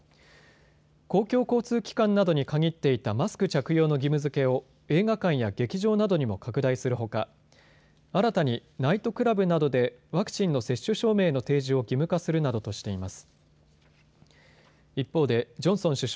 公共交通機関などに限っていたマスク着用の義務づけを映画館や劇場などにも拡大するほか新たにナイトクラブなどでワクチンの接種証明の提示を義務化するなどとしています。